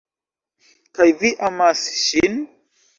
Kaj vi amas ŝin?